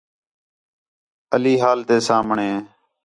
علی ہال تے سامھݨے